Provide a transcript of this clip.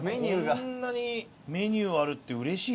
こんなにメニューあるってうれしいね。